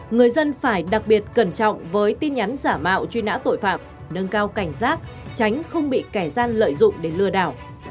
người dân phải đặc biệt cẩn trọng với tin nhắn giả mạo truy nã tội phạm nâng cao cảnh giác tránh không bị kẻ gian lợi dụng để lừa đảo